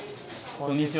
こんにちは。